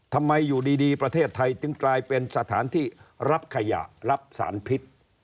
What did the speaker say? ทำไมอยู่ดีประเทศไทยถึงกลายเป็นสถานที่รับขยะรับสารพิษ